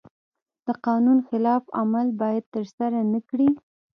د قانون خلاف عمل باید ترسره نکړي.